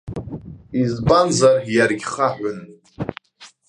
Избанзар, иаргьы хаҳәын.